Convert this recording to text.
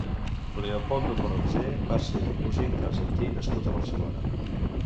Leopoldo Corretjer va ser un músic argentí nascut a Barcelona.